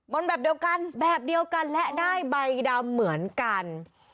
นแบบเดียวกันแบบเดียวกันและได้ใบดำเหมือนกัน